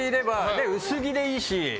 で、薄着でいいし。